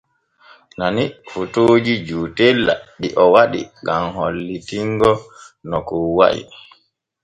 Nani fotooji jootela ɗi o waɗi gam hollitingo no kon wa’i.